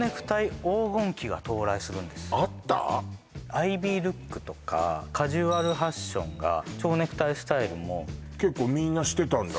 アイビールックとかカジュアルファッションが蝶ネクタイスタイルも結構みんなしてたんだ？